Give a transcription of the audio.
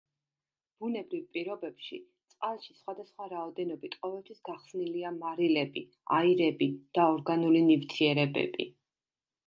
ბუნებრივ პირობებში წყალში სხვადასხვა რაოდენობით ყოველთვის გახსნილია მარილები, აირები და ორგანული ნივთიერებები.